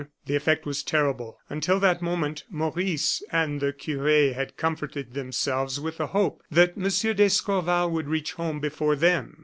The effect was terrible. Until that moment, Maurice and the cure had comforted themselves with the hope that M. d'Escorval would reach home before them.